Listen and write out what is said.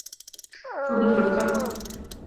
Тудо пӧртак.